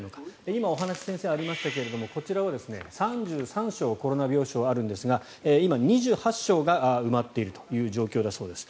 今、お話が先生からありましたがこちらは３３床コロナ病床あるんですが今、２８床が埋まっているという状況だそうです。